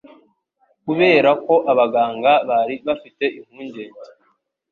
Kubera ko abaganga bari bafite impungenge